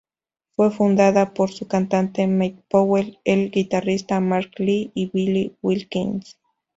Fue fundada por su cantante Mac Powell, el guitarrista Mark Lee y Billy Wilkins.